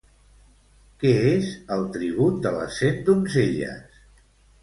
Què és El tribut de les cent donzelles?